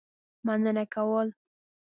مننه کول.